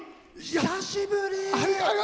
久しぶり！